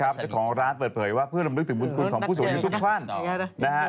การเจ้ะของร้านเปิดเผยว่าเพื่อลำนึกถึงมุลคุณของผู้สูงอายุทุกขวัญนะครับ